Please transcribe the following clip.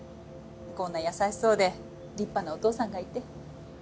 こんな優しそうで立派なお父さんがいて。